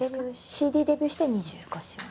ＣＤデビューして２５周年。